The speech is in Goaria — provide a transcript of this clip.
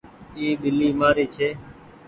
اي ٻلي مآري ڇي۔